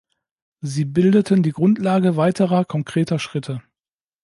Sie bildeten die Grundlage weiterer konkreter Schritte.